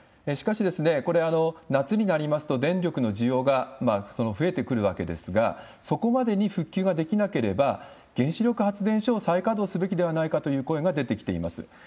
しかしこれ、夏になりますと電力の需要が増えてくるわけですが、そこまでに復旧ができなければ、原子力発電所を再稼働すべきではないかという声が出てきています。